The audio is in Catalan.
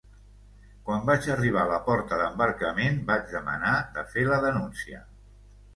Quan vaig arribar a la porta d’embarcament vaig demanar de fer la denúncia.